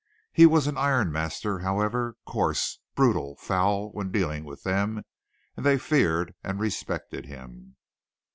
He was an iron master, however, coarse, brutal, foul when dealing with them, and they feared and respected him.